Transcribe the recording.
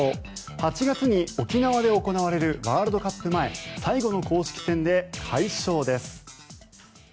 ８月に沖縄で行われるワールドカップ前最後の公式戦で快勝です。